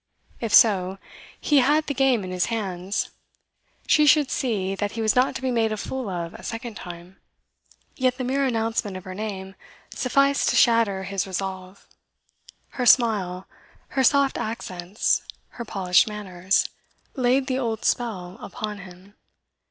If so, he had the game in his hands; she should see that he was not to be made a fool of a second time. Yet the mere announcement of her name sufficed to shatter his resolve. Her smile, her soft accents, her polished manners, laid the old spell upon him.